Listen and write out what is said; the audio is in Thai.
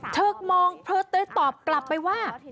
เธอตอบกลับไปว่า